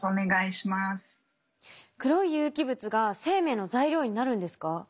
黒い有機物が生命の材料になるんですか？